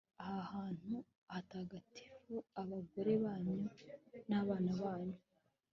ahantu hatagatifu, abagore banyu n'abana banyu